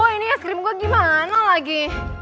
wah ini es krim gue gimana lagi